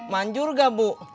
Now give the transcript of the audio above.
manjur gak bu